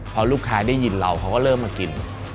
พอลูกค้าได้ยินเราเขาก็เริ่มมากิน